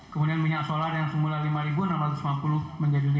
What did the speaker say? kemudian minyak solar yang semula lima enam ratus lima puluh menjadi lima ratus